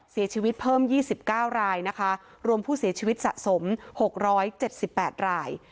เสียชีวิตเพิ่ม๒๙รายนะคะรวมผู้เสียชีวิตสะสม๖๗๘ราย